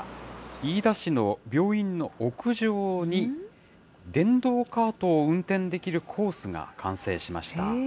飯田市の病院の屋上に、電動カートを運転できるコースが完成しました。